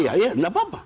ya ya tidak apa apa